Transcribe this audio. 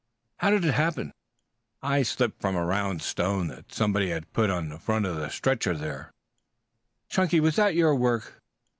"How did it happen?" "I slipped from a round stone that somebody had put in front of the stretcher there." "Chunky, was that your work?"